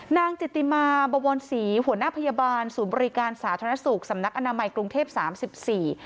นางจิติมาบวรศรีหัวหน้าพยาบาลศูนย์บริการสาธารณสุขสำนักอนามัยกรุงเทพสามสิบสี่